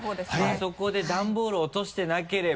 あそこでダンボール落としてなければ。